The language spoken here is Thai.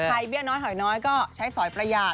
เบี้ยน้อยหอยน้อยก็ใช้สอยประหยาด